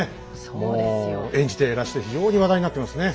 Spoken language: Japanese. もう演じてらして非常に話題になってますね。